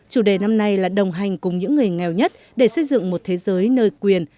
chủ đề năm nay là đồng hành cùng những người nghèo nhất để xây dựng một thế giới nơi quyền